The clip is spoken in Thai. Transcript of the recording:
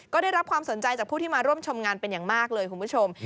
ก็ได้รับความสนใจจากผู้ที่มาร่วมชมงานเป็นอย่างมากเลยคุณผู้ชม